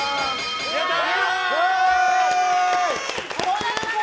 やったー！